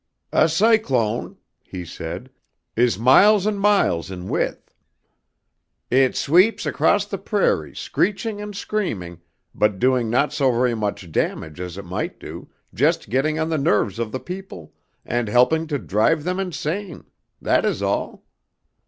"A cyclone," he said, "is miles and miles in width. It sweeps across the prairie screeching and screaming, but doing not so very much damage as it might do, just getting on the nerves of the people and helping to drive them insane. That is all.